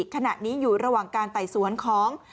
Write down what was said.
ขณะนี้อยู่ระหว่างการไต่สวนของ